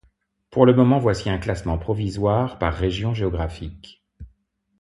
Pour le moment, voici un classement provisoire par région géographique.